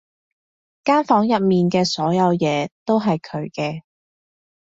間房入面嘅所有嘢都係佢嘅